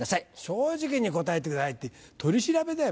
正直に答えてくださいって取り調べだよ